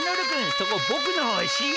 そこぼくのおしり。